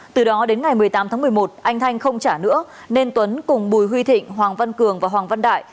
từ đó đến ngày một mươi tám tháng một mươi một anh thanh không trả nữa nên tuấn cùng bùi huy thịnh hoàng văn cường và hoàng văn đại